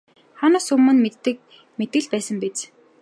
Хаанаас өмнө мэддэг л байсан биз.